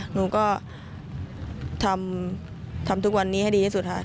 หนูก็ทำทุกวันนี้ให้ดีที่สุดค่ะ